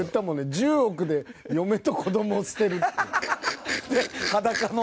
１０億で嫁と子供を捨てるって。